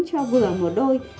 cho vừa một đôi